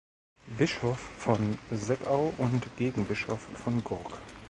Bischof von Seckau und Gegenbischof von Gurk.